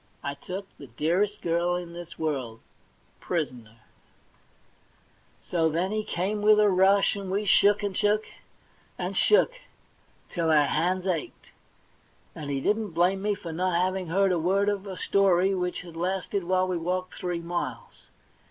*I took the dearest girl in this world — prisoner !' So then he came with a rush, and we shook, and shook, and shook till our hands ached ; and he didn't blame me for not having heard a word of a story which had lasted while we walked three miles.